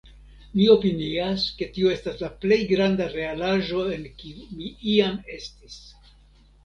Mi opinias ke tio estas la plej granda realaĵo en kiu mi iam estis.